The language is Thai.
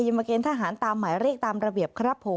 ยิมเมรเพรย์นทหารตามหมายเลขตามระเบียบ